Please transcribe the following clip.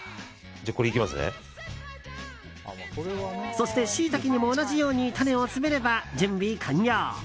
そしてシイタケにも同じようにタネを詰めれば準備完了。